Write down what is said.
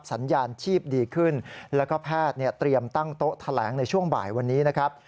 สัญญาณชีพดีขึ้นแล้วก็แพทย์เตรียมตั้งโต๊ะแถลงในช่วงบ่ายวันนี้นะครับ